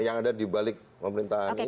yang ada dibalik pemerintahan ini